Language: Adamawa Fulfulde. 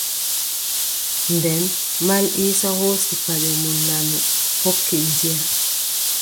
Nden Mal Iisa hoosi paɗe mon nanu hokki Diya.